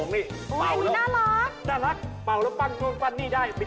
ปริญญาโทรเปลี่ยนแยงเอกเรียนที่ไหน